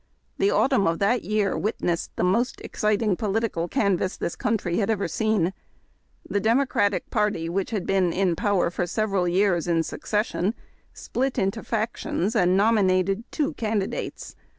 The au tumn of that year witnessed the most exciting political canvass this country had ever seen. Tlie Democratic party, Avhich had been in power for several years in suc cession, split into factions and nominated two candidates.